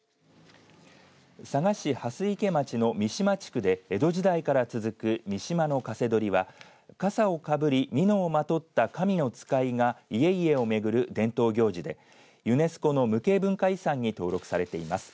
佐賀市蓮池町の見島地区で江戸時代から続く見島のカセドリはかさをかぶり、みのをまとった神の使いが家々を巡る伝統行事でユネスコの無形文化遺産に登録されています。